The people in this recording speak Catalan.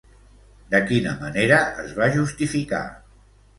De quina manera es va justificar?